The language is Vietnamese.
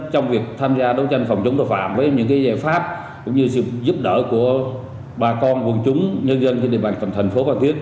trong việc tham gia đấu tranh phòng chống tội phạm với những giải pháp cũng như sự giúp đỡ của bà con quân chúng nhân dân trên địa bàn thành phố phan thiết